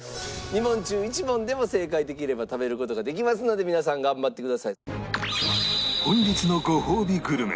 ２問中１問でも正解できれば食べる事ができますので皆さん頑張ってください。